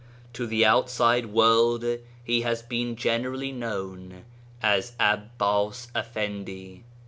To the outside world he has been generally known as Abbas EfFendi.